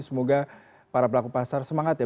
semoga para pelaku pasar semangat ya